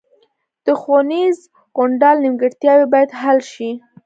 د ښوونیز غونډال نیمګړتیاوې باید حل شي